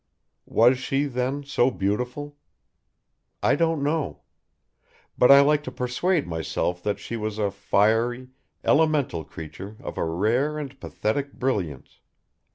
Was she then so beautiful? I don't know. But I like to persuade myself that she was a fiery, elemental creature of a rare and pathetic brilliance